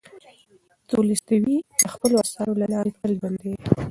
تولستوی د خپلو اثارو له لارې تل ژوندی دی.